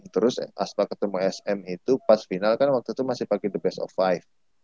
terus pas ketemu sm itu pas final kan waktu itu masih pakai the best of five